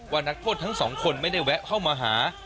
นักโทษทั้งสองคนไม่ได้แวะเข้ามาหา